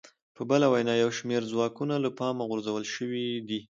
په بله وینا یو شمېر ځواکونه له پامه غورځول شوي دي